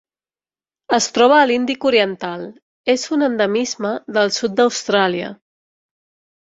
Es troba a l'Índic oriental: és un endemisme del sud d'Austràlia.